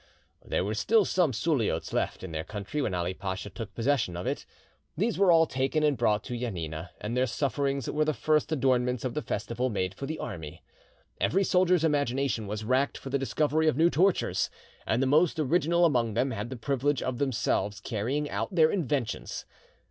There were still some Suliots left in their country when Ali Pacha took possession of it. These were all taken and brought to Janina, and their sufferings were the first adornments of the festival made for the army. Every soldier's imagination was racked for the discovery of new tortures, and the most original among them had the privilege of themselves carrying out their inventions.